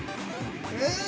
◆うん。